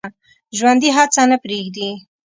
ژوندي هڅه نه پرېږدي